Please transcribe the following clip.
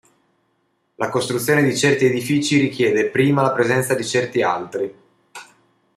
La costruzione di certi edifici richiede prima la presenza di certi altri.